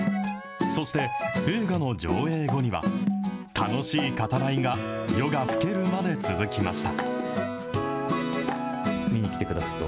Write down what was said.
そして、映画の上映後には、楽しい語らいが、夜が更けるまで続きました。